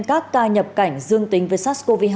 các ca nhập cảnh dương tính với sars cov hai